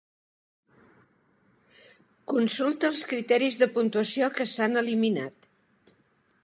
Consulta els criteris de puntuació que s'han eliminat.